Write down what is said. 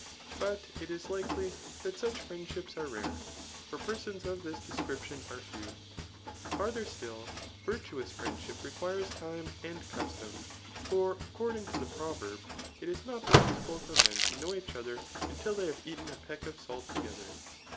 But it is likely that such friendships are rare; for persons of this description are few. Farther sdll, virtuous friendship requires time and custom; for ac cording to the proverb, it is not possible for men to know each other till they have eaten a peck of salt toge ther.